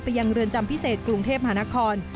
ไปยังเรินจำพิเศษกรุงเทพธ์ฮานะคร